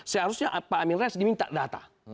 seharusnya pak amin rais diminta data